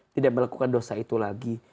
tidak melakukan dosa itu lagi